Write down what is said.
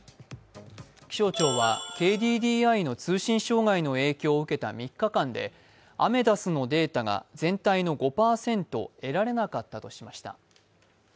気象庁は系でＫＤＤＩの通信障害の影響を受けた３日間でアメダスのデータが全体の５％得られなかったとしました。